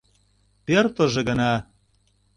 Пӧртылжӧ гына.